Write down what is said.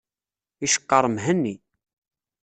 Iceqqer Mhenni.